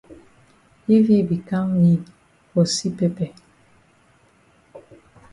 If yi be kam yi for see pepper.